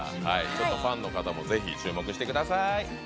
ファンの方もぜひ注目してください。